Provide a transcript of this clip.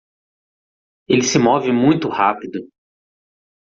Ele se move muito rápido!